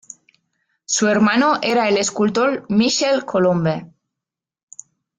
Su hermano era el escultor Michel Colombe.